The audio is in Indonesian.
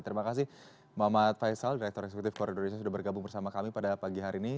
terima kasih mamat faisal direktur eksekutif koridor indonesia sudah bergabung bersama kami pada pagi hari ini